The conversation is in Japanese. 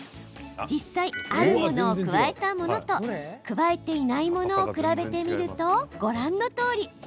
実際、あるものを加えたものと加えていないものを比べてみるとご覧のとおり。